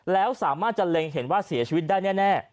แล้วสามารถจะเล็งเห็นว่าเสียชีวิตได้แน่